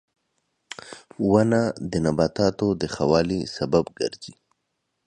• ونه د نباتاتو د ښه والي سبب ګرځي.